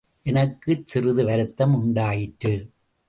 எனக்குச் சிறிது வருத்தம் உண்டாயிற்று.